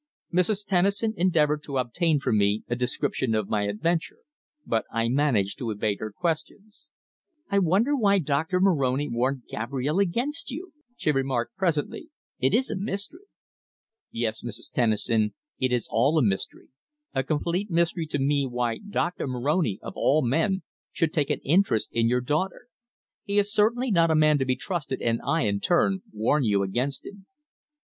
Mrs. Tennison endeavoured to obtain from me a description of my adventure, but I managed to evade her questions. "I wonder why Doctor Moroni warned Gabrielle against you?" she remarked presently. "It is a mystery." "Yes, Mrs. Tennison, it is all a mystery a complete mystery to me why Doctor Moroni, of all men, should take an interest in your daughter. He is certainly not a man to be trusted, and I, in turn, warn you against him."